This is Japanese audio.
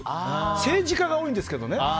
政治家が多いんですけどね。